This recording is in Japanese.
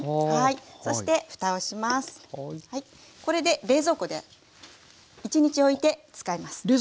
これで冷蔵庫で１日おいて使えます。